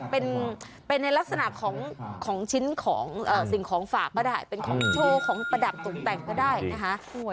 เป็นในลักษณะของชิ้นของสิ่งของฝากก็ได้เป็นของโชว์ของประดับตกแต่งก็ได้นะคะ